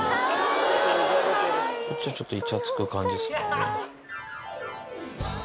こっちはちょっといちゃつく感じですかね。